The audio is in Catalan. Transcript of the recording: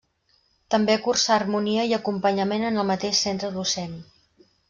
També cursà harmonia i acompanyament en el mateix centre docent.